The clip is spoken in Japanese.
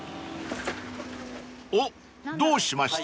［おっどうしました？］